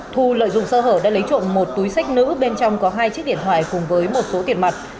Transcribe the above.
thu lợi dụng sơ hở đã lấy trộm một túi sách nữ bên trong có hai chiếc điện thoại cùng với một số tiền mặt